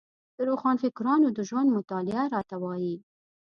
د روښانفکرانو د ژوند مطالعه راته وايي.